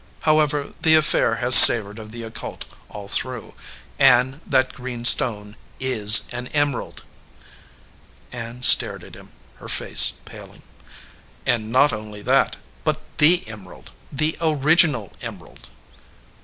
However, the affair has savored of the occult all through. Ann, that green stone is an emerald!" Ann stared at him, her face paling. "And not only that, but the emerald, the origi nal emerald."